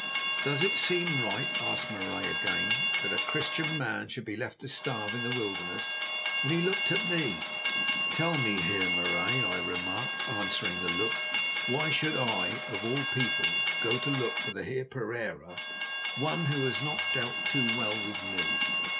"Does it seem right," asked Marais again, "that a Christian man should be left to starve in the wilderness?" and he looked at me. "Tell me, Heer Marais," I remarked, answering the look, "why should I of all people go to look for the Heer Pereira, one who has not dealt too well with me?"